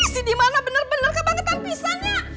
si dimana benar benar kebangetan pisangnya